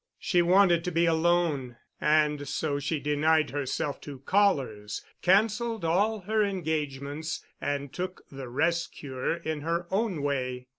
She wanted to be alone, and so she denied herself to callers, canceled all her engagements, and took the rest cure in her own way.